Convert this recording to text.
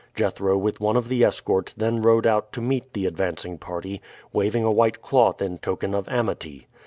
Jethro with one of the escort then rode out to meet the advancing party, waving a white cloth in token of amity.